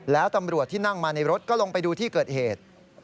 แล้วตำรวจที่นั่งมาในรถก็ลงไปดูที่เกิดเหตุ